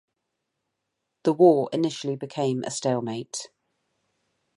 The war initially became a stalemate.